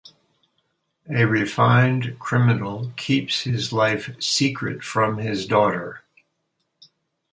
A refined criminal keeps his life secret from his daughter.